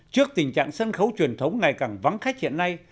trước tình trạng sân khấu truyền thống ngày càng vắng khách hiện nay